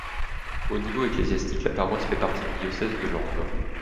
Au niveau ecclésiastique, la paroisse fait partie du diocèse de Langres.